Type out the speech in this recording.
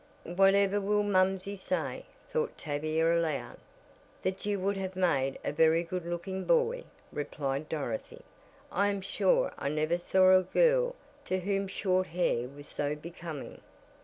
"Whatever will momsey say?" thought Tavia aloud. "That you would have made a very good looking boy," replied Dorothy. "I am sure I never saw a girl to whom short hair was so becoming."